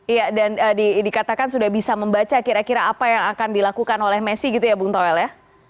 iya dan dikatakan sudah bisa membaca kira kira apa yang akan dilakukan oleh messi gitu ya bung toel ya